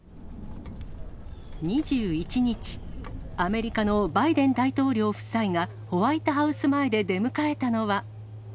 ２１日、アメリカのバイデン大統領夫妻がホワイトハウス前で出迎えたのは。